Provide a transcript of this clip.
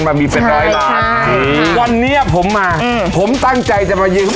โอ้โหแค่เสื้อพี่โน่นุ่มเรียกว่าติดทีมชาติชุดเอ